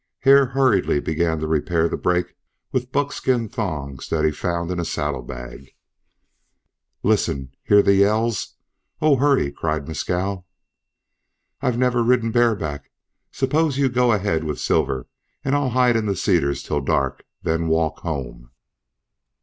Hare hurriedly began to repair the break with buckskin thongs that he found in a saddle bag. "Listen! Hear the yells! Oh! hurry!" cried Mescal. "I've never ridden bareback. Suppose you go ahead with Silver, and I'll hide in the cedars till dark, then walk home!"